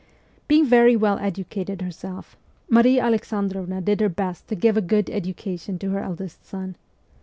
Being very well educated herself, Marie Alexan drovna did her best to give a good education to her eldest son.